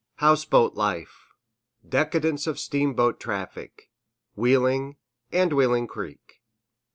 Houseboat life Decadence of steamboat traffic Wheeling, and Wheeling Creek.